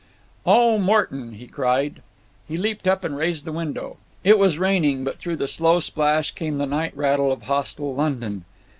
"Oh—Morton—" he cried. He leaped up and raised the window. It was raining, but through the slow splash came the night rattle of hostile London.